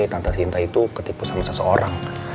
tante sinta itu ketipu sama seseorang